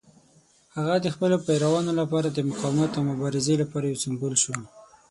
هغه د خپلو پیروانو لپاره د مقاومت او مبارزې لپاره یو سمبول شو.